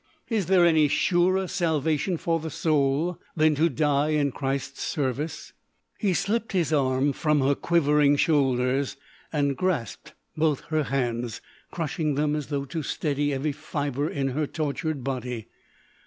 Is there any surer salvation for the soul than to die in Christ's service?" He slipped his arm from her quivering shoulders and grasped both her hands, crushing them as though to steady every fibre in her tortured body.